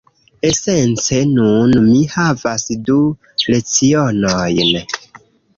Esence nun mi havas du lecionojn.